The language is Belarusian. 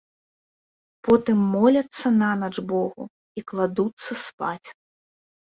Потым моляцца нанач богу і кладуцца спаць.